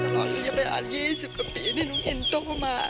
ตอนนี้เป็นอันยี่สิบกว่าปีที่น้องอินโตมา